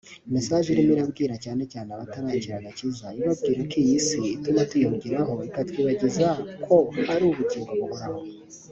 message irimo irabwira cyane cyane abatarakira agakiza ibabwira ko iyi si ituma tuyihugiraho ikatwibagiza ko hari ubugingo buhoraho